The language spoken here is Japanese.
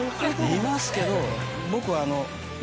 いますけど僕は。